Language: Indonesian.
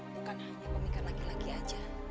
bukan hanya pemikat laki laki aja